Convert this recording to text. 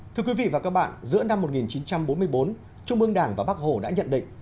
thưa quý vị và các bạn giữa năm một nghìn chín trăm bốn mươi bốn trung ương đảng và bắc hồ đã nhận định